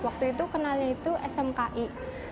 waktu itu kenalnya itu smki